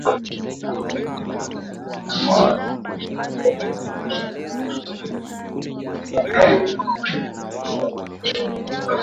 Mkojo wa wanyama wenye ugonjwa wa miguu na midomo yakigusana na wanyama wazima hueneza ugonjwa